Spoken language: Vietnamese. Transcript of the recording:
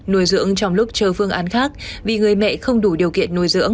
nuôi dưỡng trong lúc chờ phương án khác vì người mẹ không đủ điều kiện nuôi dưỡng